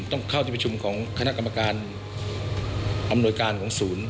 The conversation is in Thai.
ต้องเข้าที่ประชุมของคณะกรรมการอำนวยการของศูนย์